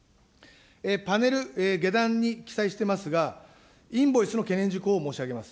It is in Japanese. パネル、下段に記載していますが、インボイスの懸念事項を申し上げます。